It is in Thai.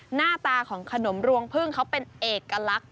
หน้าตาของขนมรวงพึ่งเขาเป็นเอกลักษณ์